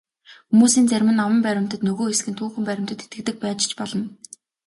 Хүмүүсийн зарим нь аман баримтад, нөгөө хэсэг нь түүхэн баримтад итгэдэг байж ч болно.